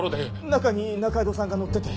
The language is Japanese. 中に仲井戸さんが乗ってて。